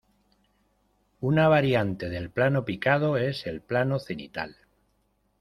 Una variante del plano picado es el plano cenital.